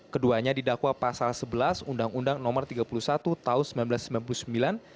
keduanya didakwa pasal sebelas undang undang no tiga puluh satu tahun seribu sembilan ratus sembilan puluh sembilan